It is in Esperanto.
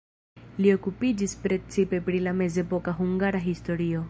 Li okupiĝis precipe pri la mezepoka hungara historio.